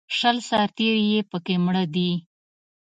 شل سرتېري یې په کې مړه دي